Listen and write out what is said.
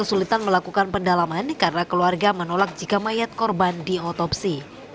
kesulitan melakukan pendalaman karena keluarga menolak jika mayat korban diotopsi